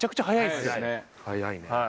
早い。